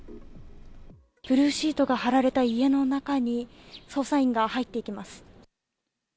ブルーシートが張られた家の中に捜査員が入っていきます。